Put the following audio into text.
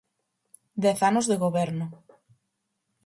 Dez anos de goberno.